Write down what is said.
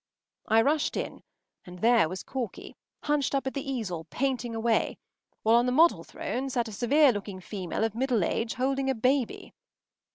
I rushed in, and there was Corky, hunched up at the easel, painting away, while on the model throne sat a severe looking female of middle age, holding a baby.